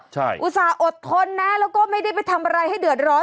ใช่อุตส่าหอดทนนะแล้วก็ไม่ได้ไปทำอะไรให้เดือดร้อน